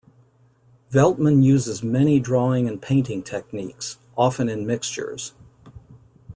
Veltman uses many drawing and painting techniques, often in mixtures.